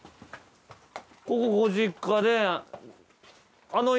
ここご実家で。